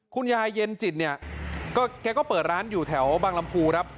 คุณยายเย็นจิตเนี่ยแกก็เปิดร้านอยู่แถวบางลำพูครับ